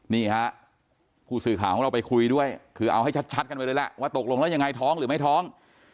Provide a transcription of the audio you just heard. นี่ฮะผู้สื่อข่าวของเราไปคุยด้วยคือเอาให้ชัดกันไปเลยแหละว่าตกลงแล้วยังไงท้องหรือไม่ท้อง